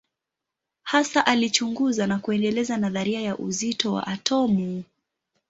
Hasa alichunguza na kuendeleza nadharia ya uzito wa atomu.